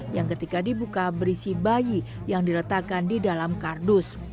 yang ketika dibuka berisi bayi yang diletakkan di dalam kardus